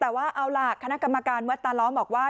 แต่ว่าเอาล่ะคณะกรรมการวัดตาล้อมบอกว่า